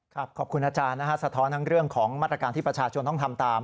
ขอบคุณอาจารย์นะฮะสะท้อนทั้งเรื่องของมาตรการที่ประชาชนต้องทำตาม